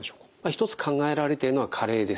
一つ考えられているのは加齢です。